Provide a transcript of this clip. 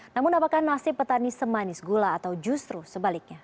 namun apakah nasib petani semanis gula atau justru sebaliknya